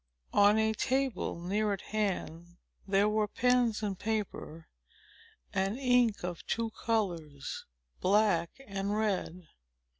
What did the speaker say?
On a table, near at hand, there were pens and paper, and ink of two colors, black and red.